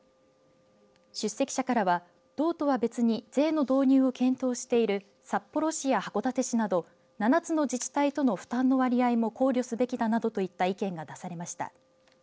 出席者からは、道とは別に税の導入を検討している札幌市や函館市など７つの自治体との負担の割合も考慮すべきだなどといった意見が出されました。